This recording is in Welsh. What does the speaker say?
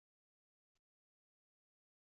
Gwyddant ym mha farchnad i werthu eu cynnyrch.